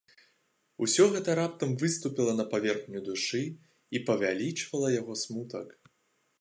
Усё гэта раптам выступіла на паверхню душы і павялічвала яго смутак.